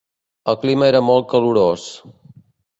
El clima era molt calorós.